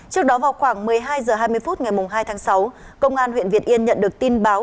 trước đó vào khoảng một mươi hai h hai mươi phút ngày hai tháng sáu công an huyện việt yên nhận được tin báo